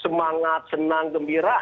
semangat senang gembira